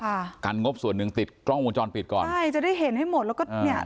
ค่ะการงบส่วนหนึ่งติดกล้องวงจรปิดก่อนใช่จะได้เห็นให้หมดแล้วก็เนี้ย